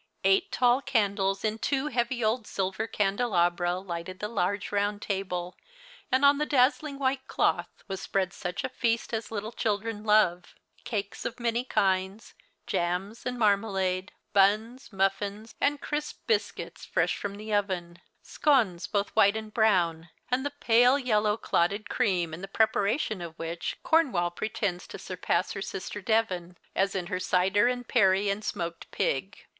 Eight tall candles in two heavy old silver candelabra lighted the large round table, and on the dazzling white cloth was spread such a feast as little children love — cakes of many kinds, jams, and marmalade, buns, muffins, and crisp biscuits fresh from the oven, scones both white and brown, and the pale yellow clotted cream in the preparation of which Cornwall pretends to surpass her sister Devon, as in her cider and pery and smoked pig.